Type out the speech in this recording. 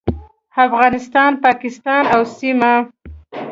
افغانستان، پاکستان او سیمه